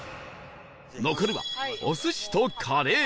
残るはお寿司とカレー